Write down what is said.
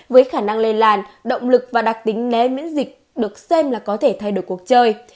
với khả năng lây làn động lực và đặc tính né miễn dịch được xem là có thể thay đổi cuộc chơi